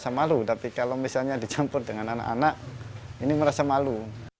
saya malu tapi kalau misalnya dicampur dengan anak anak ini merasa malu